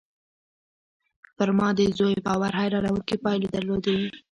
پر ما د زوی باور حيرانوونکې پايلې درلودې